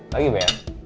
pagi mbak ya